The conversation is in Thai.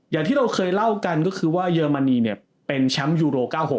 อย่างที่เราเคยเล่ากันก็คือว่าเยอรมนีเป็นชำยุโร๙๖